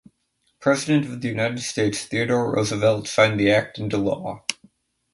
President of the United States Theodore Roosevelt signed the act into law.